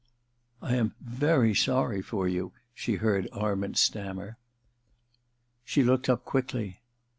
* I am very sorry for you,' she heard Arment stammer. She looked up quickly.